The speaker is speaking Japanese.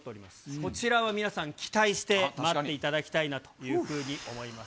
こちらは皆さん、期待して待っていただきたいなというふうに思います。